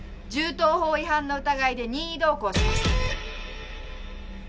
銃刀法違反の疑いで任意同行しました。